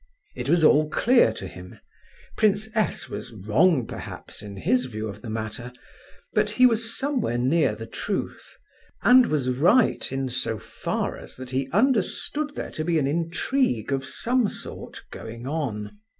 It was all clear to him; Prince S. was wrong, perhaps, in his view of the matter, but he was somewhere near the truth, and was right in so far as that he understood there to be an intrigue of some sort going on.